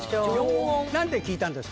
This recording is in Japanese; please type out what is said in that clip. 何で聞いたんですか？